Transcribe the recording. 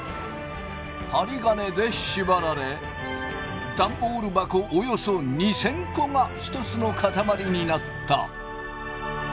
針金で縛られダンボール箱およそ２，０００個が１つの塊になった。